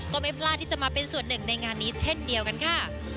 ก็ไม่พลาดที่จะมาเป็นส่วนหนึ่งในงานนี้เช่นเดียวกันค่ะ